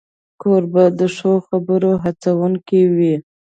کوربه د ښو خبرو هڅونکی وي.